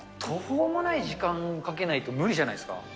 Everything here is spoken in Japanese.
途方もない時間をかけないと無理じゃないですか？